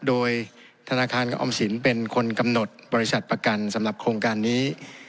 โดยธนาคารออมสินเป็นคนกำหนดบริษัทประกันสำหรับโครงการนี้